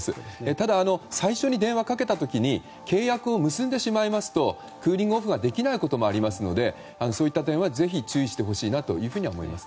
ただ、最初に電話をかけた時に契約を結んでしまいますとクーリングオフができないこともありますのでそういった点はぜひ注意してほしいと思います。